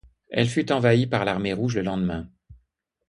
Elle fut envahie par l'Armée rouge le lendemain.